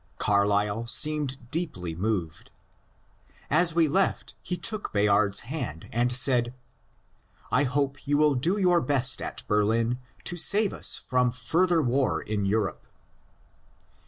Carlyle seemed deeply moved. As we left he took Bayard's hand and said, ^^ I hope you will do your best at Berlin to save us from further war in Europe."